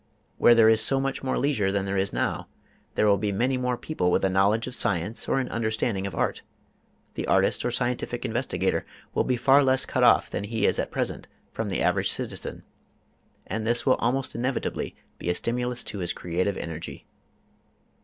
Where there is so much more leisure than there is now, there will be many more people with a knowledge of science or an understanding of art. The artist or scientific investigator will be far less cut off than he is at present from the average citizen, and this will almost inevitably be a stimulus to his creative energy.